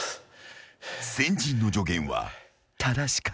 ［先人の助言は正しかったようだ］